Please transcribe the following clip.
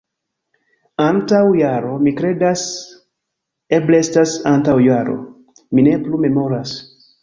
Antaŭ jaro, mi kredas... eble estas antaŭ jaro. Mi ne plu memoras